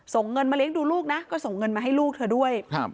ส่งเงินมาเลี้ยงดูลูกนะก็ส่งเงินมาให้ลูกเธอด้วยครับ